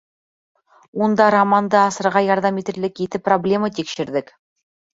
Унда романды асырға ярҙам итерлек ете проблема тикшерҙек.